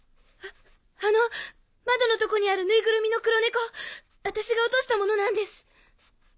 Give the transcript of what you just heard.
あの窓のとこにあるぬいぐるみの黒猫私が落としたものなんです。